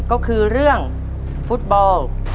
ก็คือเรื่องฟุตบอล